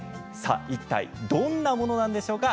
いったい、どんなものなんでしょうか。